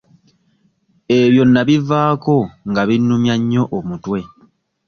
Ebyo nnabivaako nga binnumya nnyo omutwe.